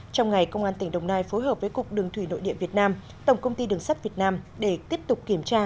trong ngày công an tỉnh đồng nai phối hợp với cục đường thủy nội địa việt nam tổng công ty đường sắt việt nam để tiếp tục kiểm tra